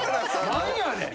何やねん！